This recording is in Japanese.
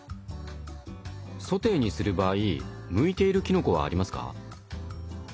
ソテーにする場合向いているきのこはありますか？